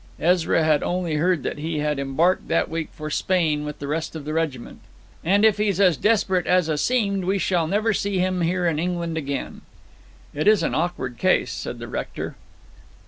Ezra had only heard that he had embarked that week for Spain with the rest of the regiment. 'And if he's as desperate as 'a seemed, we shall never see him here in England again.' 'It is an awkward case,' said the rector.